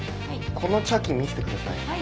この茶器見せてください。